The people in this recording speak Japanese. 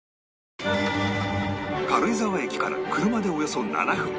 軽井沢駅から車でおよそ７分